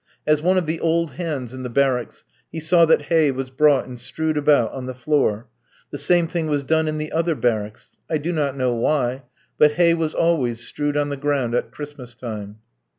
As one of the "old hands" in the barracks, he saw that hay was brought and strewed about on the floor; the same thing was done in the other barracks. I do not know why, but hay was always strewed on the ground at Christmas time.